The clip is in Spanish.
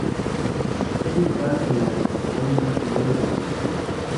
Exposición virtual en la que se exponen dos videos del colectivo.